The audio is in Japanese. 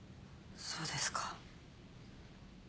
そうですか。